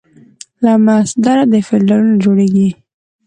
له مصدره د فعل ډولونه جوړیږي.